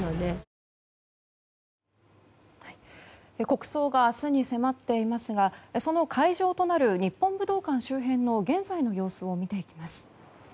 国葬は明日に迫っていますがその会場となる日本武道館周辺の現在を様子を見ていきます。